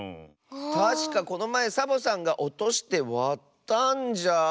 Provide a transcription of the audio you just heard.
たしかこのまえサボさんがおとしてわったんじゃ。